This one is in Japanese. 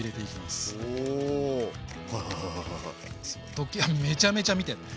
ドッキーめちゃめちゃ見てるね。